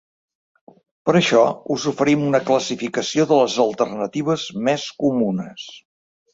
Per això us oferim una classificació de les alternatives més comunes.